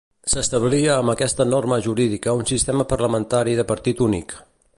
S'establia amb aquesta norma jurídica un sistema parlamentari de partit únic.